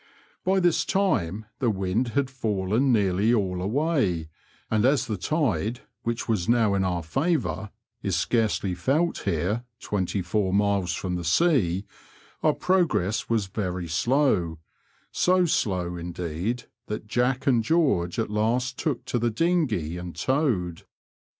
By this time the wind had fallen nearly all away, and as the tide (which was now in our favour) is scarcely felt here, twenty four miles from the sea, our progress was very slow — so slow, indeed, that Jack and George at last took to the dinghey and towed.